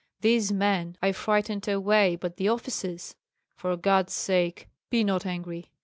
These men I frightened away, but the officers for God's sake be not angry!